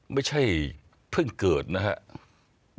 ไม่ใช่เพิ่งเกิดนะครับ